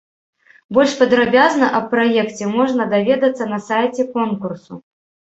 Больш падрабязна аб праекце можна даведацца на сайце конкурсу.